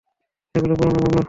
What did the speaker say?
এগুলো পুরানো মামলার ফাইল।